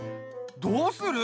どうする？